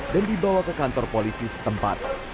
dan dibawa ke kantor polisi setempat